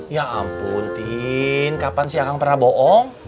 ya ampun din kapan sih akang pernah bohong